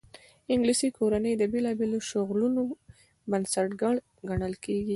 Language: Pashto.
انګلیسي کورنۍ د بېلابېلو شغلونو بنسټګر ګڼل کېږي.